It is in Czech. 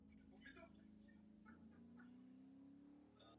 Administrativně spadá do Archangelské oblasti Ruska.